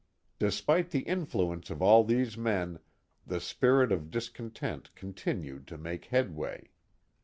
Despite the influence of all these men the spirit of discon tent continued to make headway.